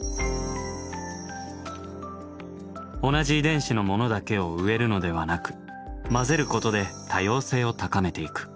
同じ遺伝子のものだけを植えるのではなく交ぜることで多様性を高めていく。